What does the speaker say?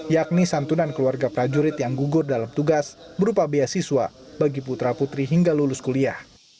yakni santunan keluarga prajurit yang gugur dalam tugas berupa beasiswa bagi putra putri hingga lulus kuliah